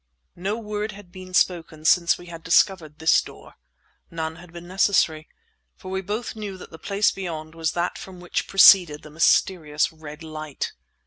No word had been spoken since we had discovered this door; none had been necessary. For we both knew that the place beyond was that from which proceeded the mysterious red light.